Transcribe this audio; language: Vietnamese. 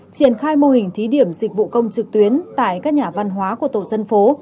triển khai mô hình thí điểm dịch vụ công trực tuyến tại các nhà văn hóa của tổ dân phố